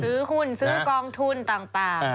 ซื้อหุ้นซื้อกองทุนต่าง